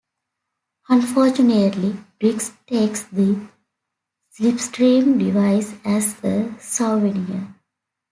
Unfortunately, Briggs takes the Slipstream device as a souvenir.